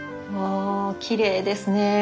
あきれいですね。